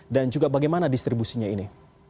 juga bagaimana distribusinya ini